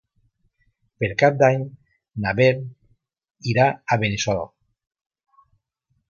Per Cap d'Any na Beth irà a Benissoda.